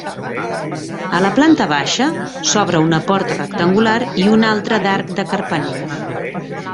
A la planta baixa s'obre una porta rectangular i una altra d'arc de carpanell.